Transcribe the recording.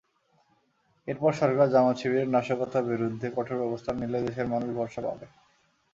এরপর সরকার জামায়াত-শিবিরের নাশকতার বিরুদ্ধে কঠোর ব্যবস্থা নিলে দেশের মানুষ ভরসা পাবে।